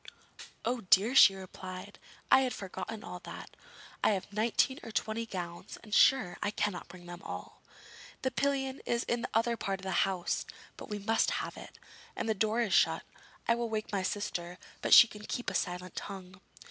'Oh dear!' she replied, 'I had forgotten all that. I have nineteen or twenty gowns, and sure, I cannot bring them all. The pillion is in the other part of the house, but we must have it. As the door is shut, I will wake my sister, but she can keep a silent tongue.'